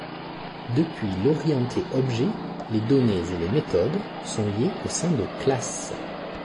Depuis l'orienté objet, les données et les méthodes sont liés au sein de classes.